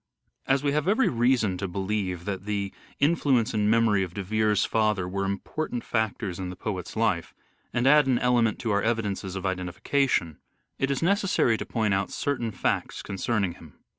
As we have every reason to believe that the influence Father and memory of De Vere's father were important factors worshiP in the poet's life, and add an element to our evidences of identification, it is necessary to point out certain facts concerning him.